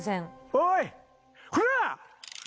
おい、こら！